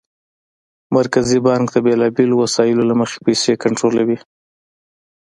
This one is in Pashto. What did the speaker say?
مرکزي بانک د بېلابېلو وسایلو له مخې پیسې کنټرولوي.